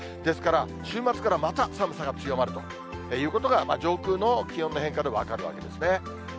ですから、週末からまた寒さが強まるということが、上空の気温の変化で分かるわけですね。